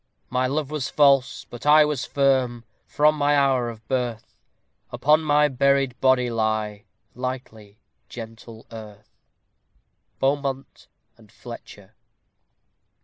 My love was false, but I was firm From my hour of birth; Upon my buried body lie Lightly, gentle earth. BEAUMONT AND FLETCHER.